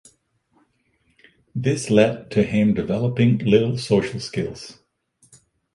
This led to him developing little social skills.